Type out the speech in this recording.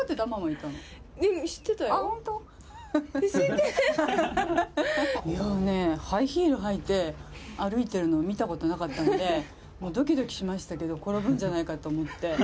いやね、ハイヒール履いて歩いてるの見たことなかったんで、どきどきしましたけど、転ぶんじゃないかと思って。